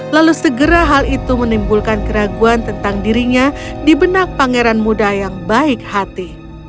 lalu segera hal itu menimbulkan keraguan tentang dirinya di benak pangeran muda yang baik hati